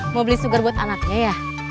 mau beli sugar buat anaknya ya